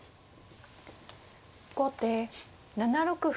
後手７六歩。